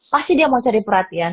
pasti dia mau cari perhatian